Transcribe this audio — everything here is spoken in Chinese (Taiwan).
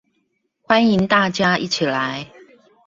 歡迎大家一起來